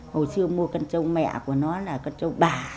hồi xưa mua con trâu mẹ của nó là con trâu bà